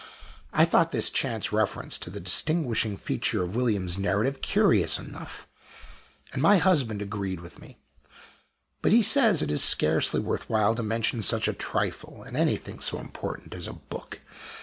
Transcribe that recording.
I thought this chance reference to the distinguishing feature of William's narrative curious enough, and my husband agreed with me. But he says it is scarcely worth while to mention such a trifle in anything so important as a book.